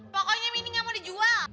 pokoknya mini gak mau dijual